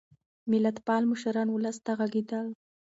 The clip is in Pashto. ملتپال مشران ولس ته غږېدل.